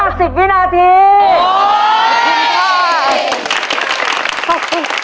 หัวหนึ่งหัวหนึ่ง